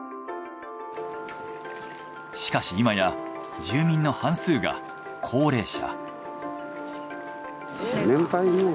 しかし今や住民の半数が高齢者。